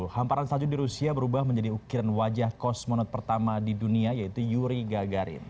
hamparan salju di rusia berubah menjadi ukiran wajah kosmonot pertama di dunia yaitu yuri gagarin